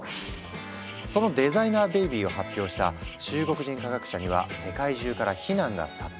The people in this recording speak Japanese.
そのデザイナーベビーを発表した中国人科学者には世界中から非難が殺到。